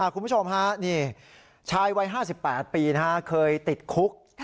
คุณผู้ชมฮะนี่ชายวัย๕๘ปีเคยติดคุก